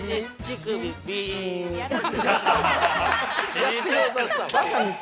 やってくださった。